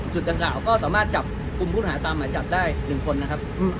ดังกล่าวก็สามารถจับกลุ่มผู้ต้องหาตามหมายจับได้๑คนนะครับ